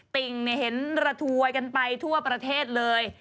ติ่งเห็นระทวยกันไปทั่วประเทศเลย